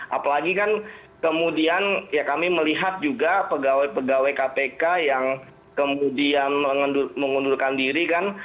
apalagi kan kemudian ya kami melihat juga pegawai pegawai kpk yang kemudian mengundurkan diri kan